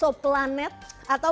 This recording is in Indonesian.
atau planet planet yang lebih besar